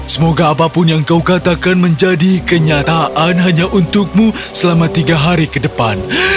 semoga apapun yang kau katakan menjadi kenyataan hanya untukmu selama tiga hari ke depan